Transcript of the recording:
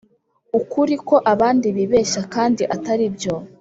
ukuri ko abandi bibeshya kandi ataribyo